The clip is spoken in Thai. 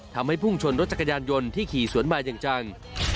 ทำให้พุ่งชนรถจักรยานโยนที่ขี่สวนมากอย่างจัง